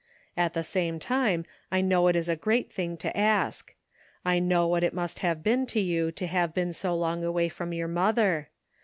At the same time' I know it is a great thing to ask. I know what it must have been to you to have been so long away from your mother.